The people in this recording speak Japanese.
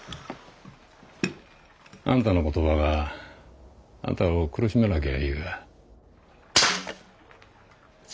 あんたの言葉があんたを苦しめなきゃいいが。